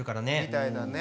みたいだね。